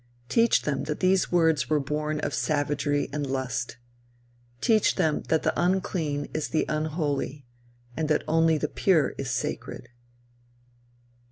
Teach them that these words were born of savagery and lust. Teach them that the unclean is the unholy, and that only the pure is sacred.